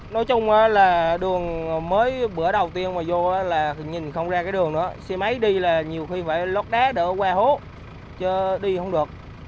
nói chung là đường mới bữa đầu tiên mà vô là nhìn không ra cái đường nữa xe máy đi là nhiều khi phải lót đá để qua hố chứ đi không được